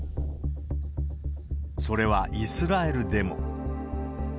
それはイスラエルでも。